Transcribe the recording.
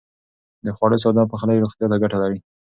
د خوړو ساده پخلی روغتيا ته ګټه لري.